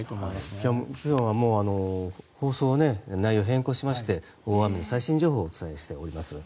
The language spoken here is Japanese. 今日は放送の内容を変更しまして大雨の最新情報をお伝えしております。